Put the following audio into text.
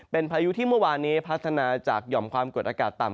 เป็นพายุที่เมื่อวานนี้พัฒนาจากหย่อมความกดอากาศต่ำ